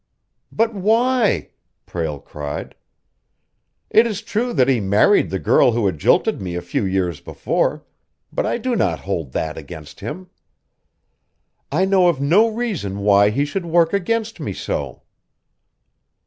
"But, why?" Prale cried. "It is true that he married the girl who had jilted me a few years before, but I do not hold that against him. I know of no reason why he should work against me so."